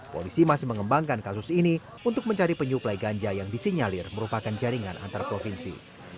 polisi masih mengembangkan kasus ini untuk mencari penyuplai ganja yang disinyalir merupakan jaringan antar provinsi